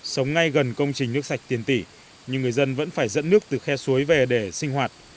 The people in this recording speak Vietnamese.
sống ngay gần công trình nước sạch tiền tỷ nhưng người dân vẫn phải dẫn nước từ khe suối về để sinh hoạt